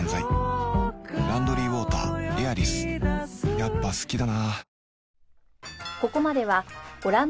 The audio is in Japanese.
やっぱ好きだな